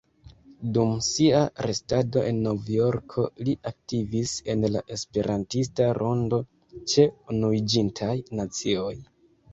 Dum sia restado en Novjorko li aktivis en la Esperantista rondo ĉe Unuiĝintaj Nacioj.